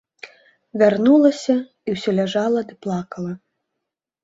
Вярнулася і ўсё ляжала ды плакала.